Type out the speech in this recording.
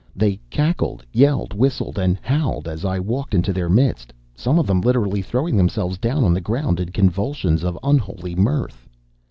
They cackled, yelled, whistled, and howled as I walked into their midst; some of them literally throwing themselves down on the ground in convulsions of unholy mirth.